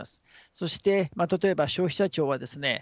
そして例えば消費者庁はですね